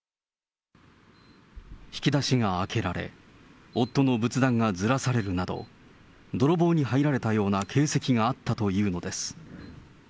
引き出しが開けられ、夫の仏壇がずらされるなど、泥棒に入られたような形跡があったというのです。